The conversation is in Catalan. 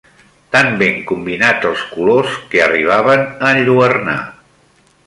Tan ben combinats els colors, que arribaven a enlluernar